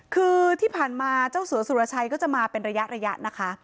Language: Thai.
คือที่ผ่านมาเจ้าสัวสุรชัยก็จะมาเป็นระยะนะคะ